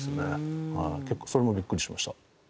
結構それもビックリしました。